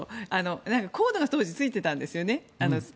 なんかコードが当時ついていたんですよね。